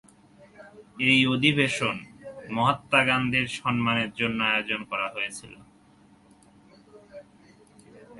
এই অধিবেশন মহাত্মা গান্ধীর সম্মানের জন্য আয়োজন করা হয়েছিল।